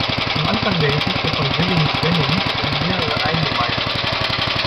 Am Anfang der Geschichte von Villingen-Schwenningen stehen mehrere Eingemeindungen.